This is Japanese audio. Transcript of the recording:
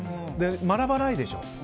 学ばないでしょ。